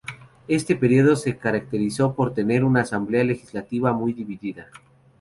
Este período se caracterizó por tener una Asamblea Legislativa muy dividida.